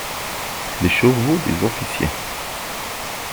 Les chevaux des officiers!